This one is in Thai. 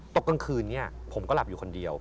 กลางคืนนี้ผมก็หลับอยู่คนเดียว